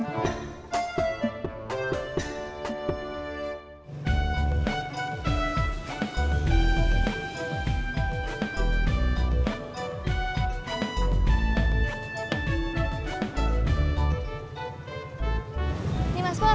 maaf mak seperti keceplosan